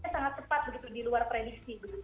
sangat cepat begitu di luar prediksi